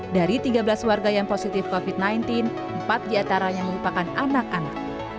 dari tiga belas warga yang positif covid sembilan belas empat diantaranya merupakan anak anak